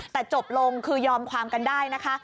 แต่จบลงคือยอมความกันได้นะคะ